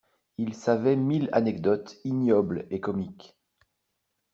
Il savait mille anecdotes ignobles et comiques.